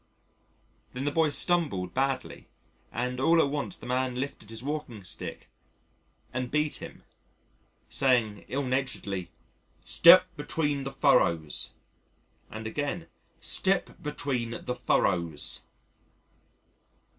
Then the boy stumbled badly and all at once the man lifted his walking stick and beat him, saying ill naturedly, "Step between the furrows," and again, "Step between the furrows."